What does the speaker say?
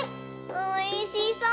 おいしそう！